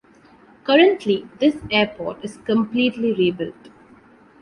Currently this airport is completely rebuilt.